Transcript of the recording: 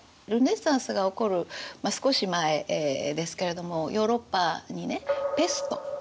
ルネサンスが起こる少し前ですけれどもヨーロッパにねペスト